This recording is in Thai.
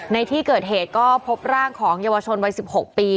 ในที่เกิดเหตุก็พบร่างของเยาวชนวัย๑๖ปี